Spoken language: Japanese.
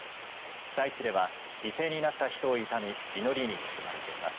被災地では犠牲になった人を悼み祈りに包まれています。